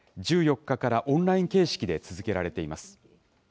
１４日からオンライン形式で続けられています。